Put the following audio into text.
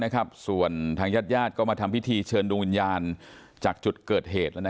ความดันสูง